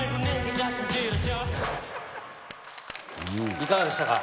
いかがでしたか？